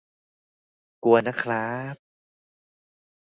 กลัวนะคร้าบ